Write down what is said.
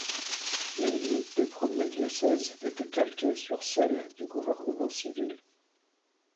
Les limites des premiers diocèses étaient calquées sur celle du gouvernement civil.